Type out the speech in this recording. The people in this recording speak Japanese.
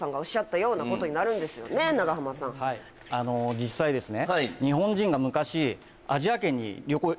実際ですね。